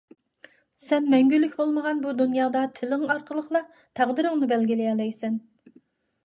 سەن مەڭگۈلۈك بولمىغان بۇ دۇنيادا تىلىڭ ئارقىلىقلا تەقدىرىڭنى بەلگىلىيەلەيسەن.